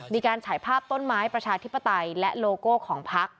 ฉายภาพต้นไม้ประชาธิปไตยและโลโก้ของพัก